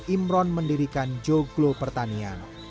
imron mendirikan joglo pertanian